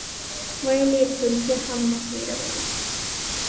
ویل یې ترکیه هم مه هېروئ.